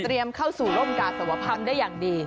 เข้าสู่ร่มกาสวพันธ์ได้อย่างดี